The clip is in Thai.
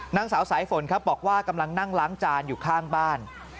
นางสาวสายฝนครับบอกว่ากำลังนั่งล้างจานอยู่ข้างบ้าน